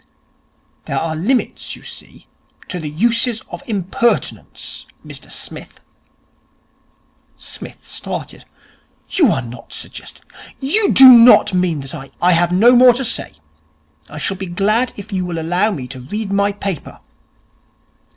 'There are limits you see, to the uses of impertinence, Mr Smith.' Psmith started. 'You are not suggesting ! You do not mean that I !' 'I have no more to say. I shall be glad if you will allow me to read my paper.'